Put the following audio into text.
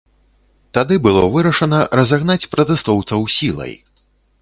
Тады было вырашана разагнаць пратэстоўцаў сілай.